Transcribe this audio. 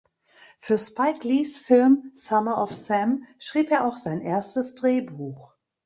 Für Spike Lees Film "Summer of Sam" schrieb er auch sein erstes Drehbuch.